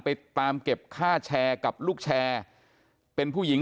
ไปตามเก็บค่าแชร์กับลูกแชร์เป็นผู้หญิง